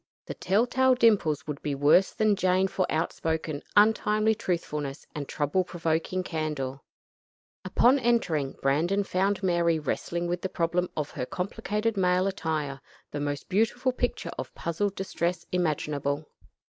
The tell tale dimples would be worse than Jane for outspoken, untimely truthfulness and trouble provoking candor. Upon entering, Brandon found Mary wrestling with the problem of her complicated male attire; the most beautiful picture of puzzled distress imaginable.